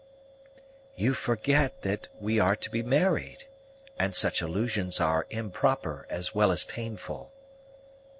"You forget that we are to be married; and such allusions are improper as well as painful."